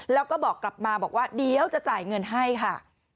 แล้วก็บอกกลับมาบอกว่าเดี๋ยวจะจ่ายเงินให้ค่ะ